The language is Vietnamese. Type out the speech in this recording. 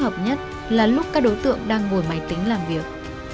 điểm thích hợp nhất là lúc các đối tượng đang ngồi máy tính làm việc